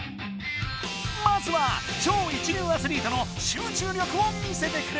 まずは超一流アスリートの集中力を見せてくれ！